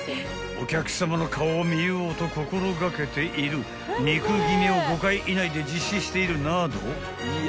お客さまの顔を見ようと心がけている肉決めを５回以内で実施しているなど］